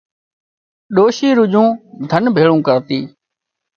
ڏوشي رُڄون ڌن ڀيۯون ڪرتي